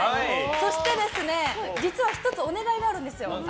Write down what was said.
そして、実は１つお願いがあるんです。